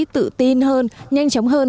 tự tin hơn nhanh chóng hơn